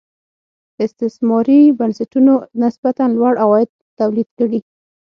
استثماري بنسټونو نسبتا لوړ عواید تولید کړي.